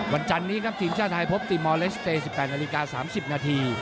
วันจันนี้ครับทีมชาติไทยพบทีมอลเลสเตย์๑๘น๓๐น